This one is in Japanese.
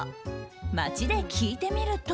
街で聞いてみると。